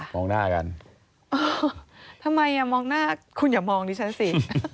มองหน้ากันอ๋อทำไมอ่ะมองหน้าคุณอย่ามองดิฉันสิ